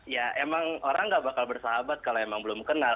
ya emang orang gak bakal bersahabat kalau emang belum kenal